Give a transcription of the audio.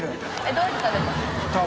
どうやって食べるの？